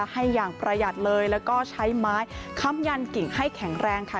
ให้อย่างประหยัดเลยแล้วก็ใช้ไม้ค้ำยันกิ่งให้แข็งแรงค่ะ